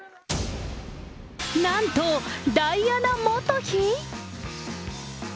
なんと、ダイアナ元妃。